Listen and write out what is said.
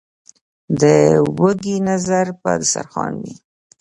ـ د وږي نظر په دستر خوان وي.